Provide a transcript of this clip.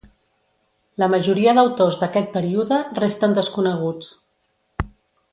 La majoria d'autors d'aquest període resten desconeguts.